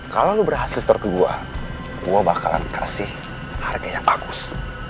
kalau lo berhasil store ke gue gue bakalan kasih harga yang bagus